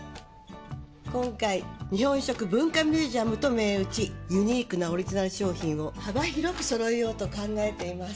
今回日本食文化ミュージアムと銘打ちユニークなオリジナル商品を幅広くそろえようと考えています。